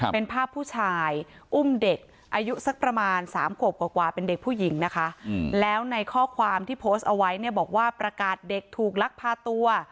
เป็นภาพผู้ชายอุ้มเด็กอายุสักประมาณสามขวบกว่าเป็นเด็กผู้หญิงนะคะแล้วในข้อความที่โพสต์เอาไว้เนี่ยบอกว่าประกาศเด็กถูกลักพาตัว